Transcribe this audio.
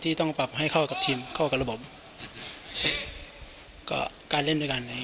ที่ต้องปรับให้เข้ากับทีมเข้ากับระบบก็การเล่นด้วยกันอะไรอย่าง